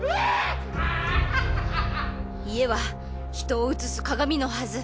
家は人を映す鏡のはず。